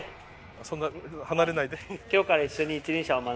そんな離れないで。